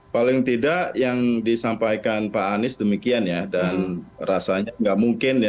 paling tidak yang disampaikan pak anies demikian ya dan rasanya nggak mungkin ya